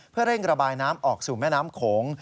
เพื่อเร่งระบายน้ำออกสู่แม่น้ำโขง